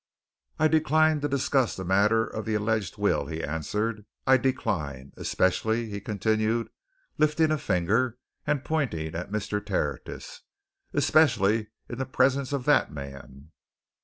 "I decline to discuss the matter of the alleged will," he answered. "I decline especially," he continued, lifting a finger and pointing at Mr. Tertius, "especially in the presence of that man!"